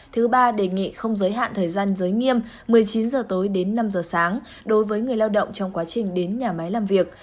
thứ ba đề nghị không giới hạn thời gian giới nghiêm một mươi chín h tối đến năm h sáng đối với người lao động trong quá trình đến nhà máy làm việc